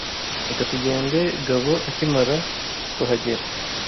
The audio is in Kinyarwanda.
Reka tugende Gabo akimara kuhagera.